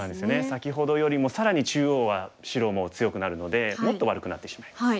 先ほどよりも更に中央は白もう強くなるのでもっと悪くなってしまいます。